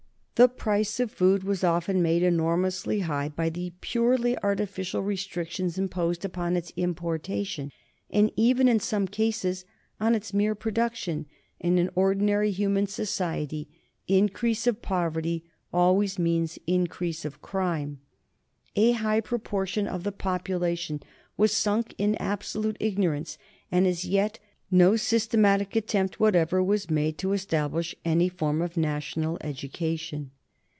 The price of food was often made enormously high by the purely artificial restrictions imposed upon its importation, and even in some cases on its mere production, and in ordinary human society increase of poverty always means increase of crime. A large proportion of the population was sunk in absolute ignorance, and as yet no systematic attempt whatever was made to establish any form of national education.